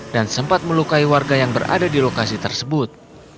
dan sempat melukai warga yang berada di lokasi tersebut